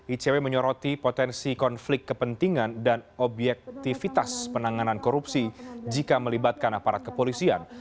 icw menyoroti potensi konflik kepentingan dan objektivitas penanganan korupsi jika melibatkan aparat kepolisian